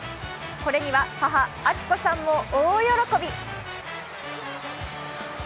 これには母・明子さんも大喜び。